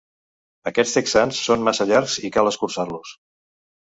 Aquests texans són massa llargs i cal escurçar-los.